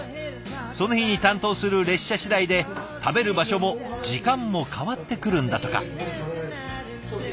その日に担当する列車次第で食べる場所も時間も変わってくるんだとか。